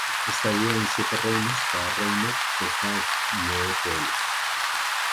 Está dividida en Siete Reinos, cada Reino consta de nueve pueblos.